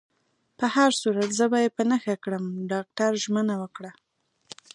په هر صورت، زه به يې په نښه کړم. ډاکټر ژمنه وکړه.